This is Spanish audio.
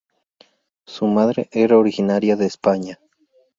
Su madre era originaria de España.